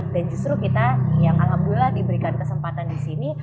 dan justru kita yang alhamdulillah diberikan kesempatan di sini